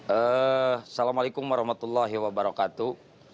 assalamu'alaikum warahmatullahi wabarakatuh